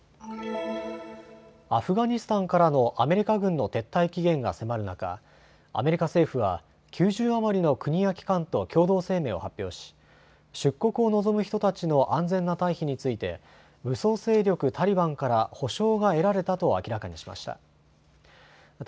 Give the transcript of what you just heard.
アフガニスタンからのアメリカ軍の撤退期限が迫る中、アメリカ政府は９０余りの国や機関と共同声明を発表し出国を望む人たちの安全な退避について武装勢力タリバンから保証が得られたと明らかにしました。